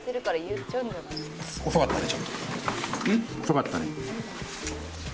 遅かったね。